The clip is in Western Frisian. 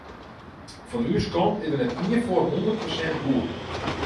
Fan ús kant is der net ien foar hûndert persint boer.